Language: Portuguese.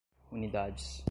unidades